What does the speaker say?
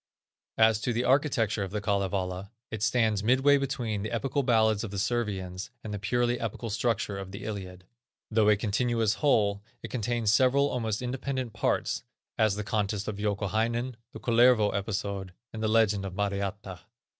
As to the architecture of the Kalevala, it stands midway between the epical ballads of the Servians and the purely epical structure of the Iliad. Though a continuous whole, it contains several almost independent parts, as the contest of Youkahainen, the Kullervo episode, and the legend of Mariatta.